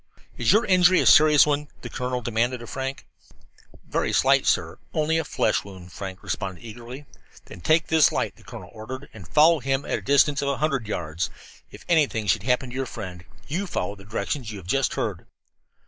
"Is your injury a serious one?" the colonel demanded of Frank. "Very slight, sir. Only a flesh wound," Frank responded eagerly. "Then take this light," the colonel ordered, "and follow him at a distance of a hundred yards. If anything should happen to your friend, you follow the directions you have just heard."